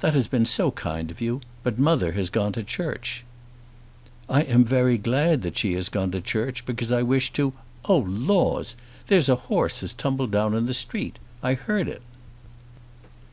"That has been so kind of you. But mother has gone to church." "I am very glad that she has gone to church, because I wish to " "Oh laws! There's a horse has tumbled down in the street. I heard it."